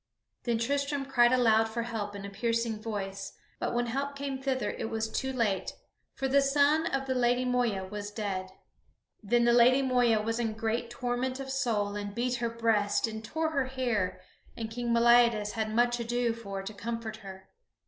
Then Tristram cried aloud for help in a piercing voice; but when help came thither it was too late, for the son of the Lady Moeya was dead. Then the Lady Moeva was in great torment of soul, and beat her breast and tore her hair and King Meliadus had much ado for to comfort her.